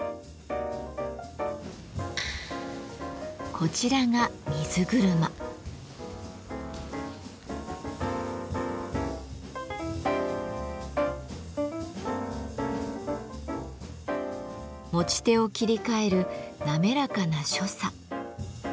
こちらが持ち手を切り替える滑らかな所作。